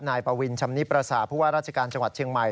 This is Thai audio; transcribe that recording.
นายปวินชพฤษฎาผู้ว่าราชการจเชียงใหม่